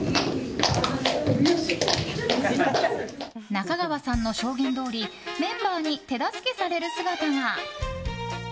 中川さんの証言どおりメンバーに手助けされる姿が。